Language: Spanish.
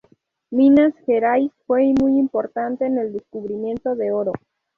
Minas Gerais fue muy importante en el descubrimiento de oro.